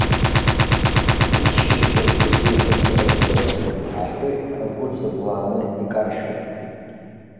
Исшьыз закәызеи ҳәа днеизар, аҳәыҳә агәы ҵыблааны икаршәуп.